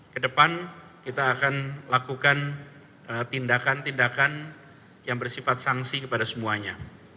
kedepan kita akan lakukan tindakan tindakan yang bersifat sanksi kepada semuanya